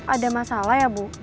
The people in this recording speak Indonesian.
ada masalah ya bu